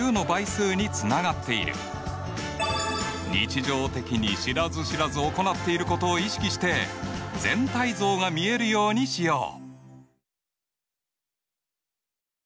日常的に知らず知らず行っていることを意識して全体像が見えるようにしよう。